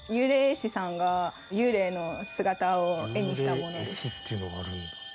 ここで幽霊絵師っていうのがあるんだ。